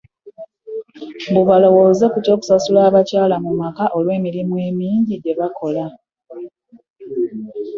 Mbu balowooze ku ky'okusasula abakyala mu maka olw'emirimu emingi gye bakola